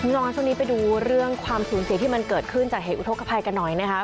ช่วงนี้ไปดูเรื่องความสูญเสียที่มันเกิดขึ้นจากเหตุอุทธกภัยกันหน่อยนะคะ